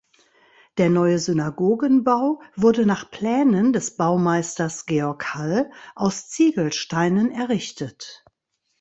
Der neue Synagogenbau wurde nach Plänen des Baumeisters Georg Hall aus Ziegelsteinen errichtet.